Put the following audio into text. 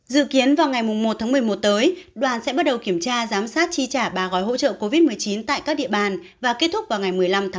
dự kiến vào ngày một tháng một mươi một tới đoàn sẽ bắt đầu kiểm tra giám sát chi trả ba gói hỗ trợ covid một mươi chín tại các địa bàn và kết thúc vào ngày một mươi năm tháng một mươi